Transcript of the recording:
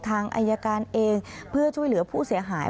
ทางอายการเองเพื่อช่วยเหลือผู้เสียหาย